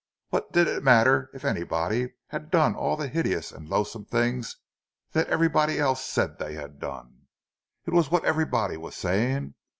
What did it matter if anybody had done all the hideous and loathsome things that everybody else said they had done? It was what everybody was saying!